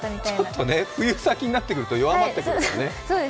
ちょっと冬先になってくると弱まってくるからね。